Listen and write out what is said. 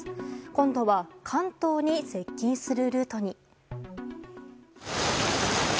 今度は関東に接近するルートに。